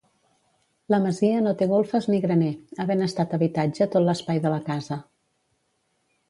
La masia no tenia golfes ni graner, havent estat habitatge tot l'espai de la casa.